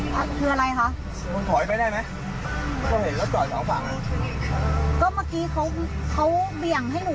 ไม่พี่ก็บอกทางนี้สิ